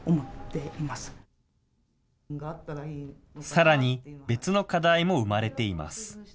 さらに、別の課題も生まれています。